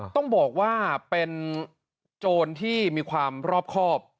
ต้องบอกว่าเป็นโจรที่มีความรอบครอบ